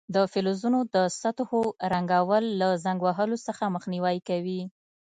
د فلزونو د سطحو رنګول له زنګ وهلو څخه مخنیوی کوي.